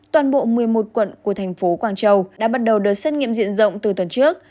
toàn bộ một mươi một quận của thành phố quảng châu đã bắt đầu đợt xét nghiệm diện rộng từ tuần trước